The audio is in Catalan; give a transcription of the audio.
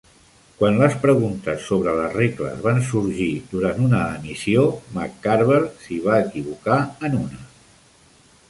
Quan les preguntes sobre les regles van sorgir durant una emissió, McCarver s'hi va equivocar en una.